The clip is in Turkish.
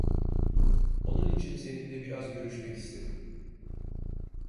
Onun için seninle biraz görüşmek istedim.